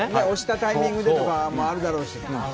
押したタイミングでとかもあるだろうし。